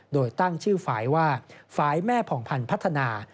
โดยตั้งชื่อฝ่ายว่าฝ่ายแม่ผ่องพันธ์พัฒนา